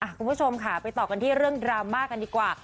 คุณผู้ชมค่ะไปต่อกันที่เรื่องดราม่ากันดีกว่า